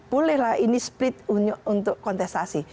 bolehlah ini split untuk kontestasi